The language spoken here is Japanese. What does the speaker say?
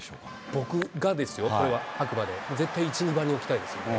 僕がですよ、これはあくまで、絶対１、２番に置きたいですね。